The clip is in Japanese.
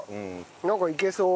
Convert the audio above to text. なんかいけそう。